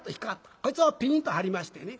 こいつをピンと張りましてね